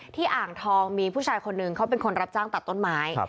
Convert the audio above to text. ที่อ่างทองอยู่มีผู้ชายคนด้านหนึ่งเป็นคนรับวงจังตัดต้นไม้